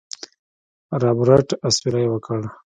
رابرټ اسويلى وکړ.